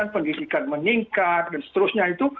pendidikan meningkat dan seterusnya itu